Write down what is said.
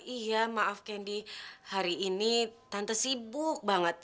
iya maaf kendi hari ini tante sibuk banget